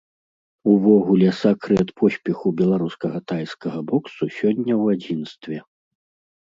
Увогуле сакрэт поспеху беларускага тайскага боксу сёння ў адзінстве.